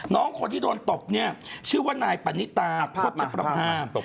น้องคนที่โดนตบเชื่อว่านายปานิตาโพรตชปภาพ